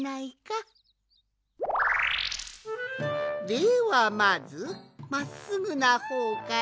ではまずまっすぐなほうから。